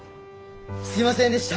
すいませんでした！